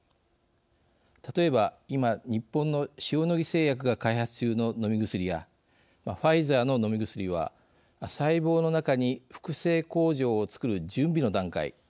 例えば今、日本の塩野義製薬が開発中の飲み薬やファイザーの飲み薬は細胞の中に複製工場を作る準備の段階